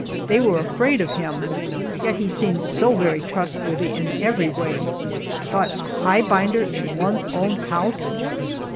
They were afraid of him, yet he seemed so very trustworthy in every way. But a highbinder in one's own house!